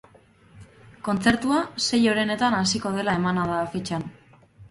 Kontzertua sei orenetan hasiko dela emana da afitxan.